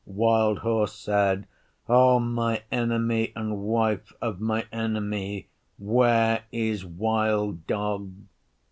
Wild Horse said, 'O my Enemy and Wife of my Enemy, where is Wild Dog?